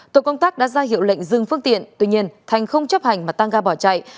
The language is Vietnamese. tổ công tác đã ra hiệu lệnh dừng phương tiện tuy nhiên thành không chấp hành mà tăng ga bỏ chạy